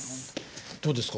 どうですか？